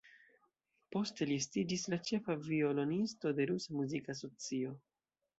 Poste li estiĝis la ĉefa violonisto de Rusa Muzika Asocio.